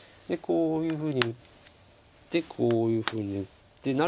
こういうふうに打ってこういうふうに打って。